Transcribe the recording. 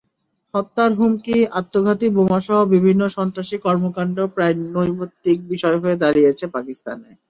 হত্যার হুমকি, আত্মঘাতী বোমাসহ বিভিন্ন সন্ত্রাসী কর্মকাণ্ড প্রায় নৈমিত্তিক বিষয় হয়ে দাঁড়িয়েছে পাকিস্তানে।